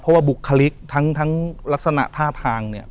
เพราะว่าบุคลิกทั้งลักษณะท่าทางเนี่ย